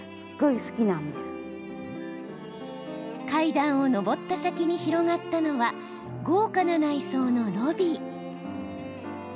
階段を上った先に広がったのは豪華な内装のロビー。